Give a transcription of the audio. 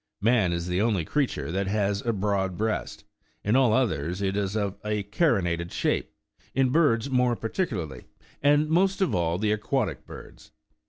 Man is the only creature that has a broad breast ; in all others it is of a carinated shape, in birds more particularly, and most of all, the aquatic birds.